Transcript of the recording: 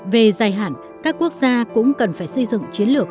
về dài hạn các quốc gia cũng cần phải xây dựng chiến lược